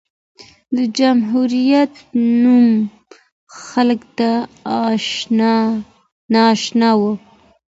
د جمهوریت نوم خلکو ته نااشنا و.